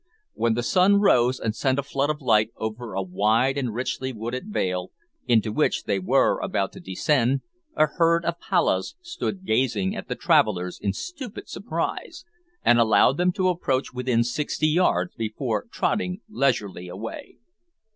When the sun rose and sent a flood of light over a wide and richly wooded vale, into which they were about to descend, a herd of pallahs stood gazing at the travellers in stupid surprise, and allowed them to approach within sixty yards before trotting leisurely away.